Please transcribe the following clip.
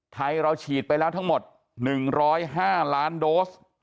ไทยเราฉีดไปแล้วทั้งหมด๑๐๕ล้านโดส